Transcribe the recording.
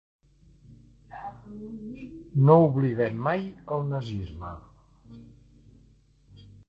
No oblidem mai el nazisme.